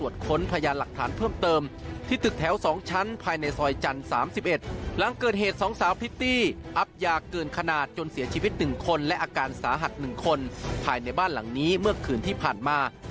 ภายในบ้านหลังนี้เมื่อคืนที่ผ่านมา